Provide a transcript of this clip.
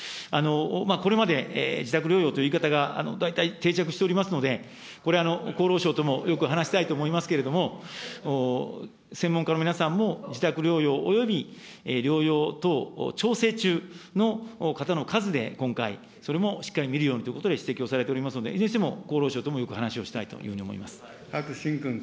これまで自宅療養という言い方が大体定着しておりますので、これ、厚労省ともよく話したいと思いますけれども、専門家の皆さんも、自宅療養および療養等調整中の方の数で今回、それもしっかり見るようにということで、指摘をされておりますので、いずれにしても、厚労省ともよく話をしたいと思い白眞勲君。